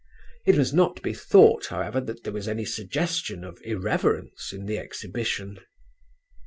It must not be thought, however, that there was any suggestion of irreverence in the exhibition.